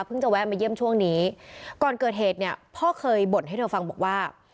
จะแวะมาเยี่ยมช่วงนี้ก่อนเกิดเหตุเนี่ยพ่อเคยบ่นให้เธอฟังบอกว่า